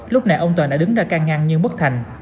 lúc này ông toàn đã đứng ra can ngăn nhưng bất thành